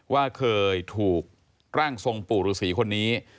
ว่าเคยถูกร่างทรงปู่ฤษีคนนี้